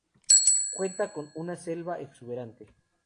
Cuenta con una selva exuberante.